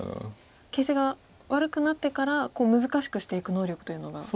形勢が悪くなってから難しくしていく能力というのが。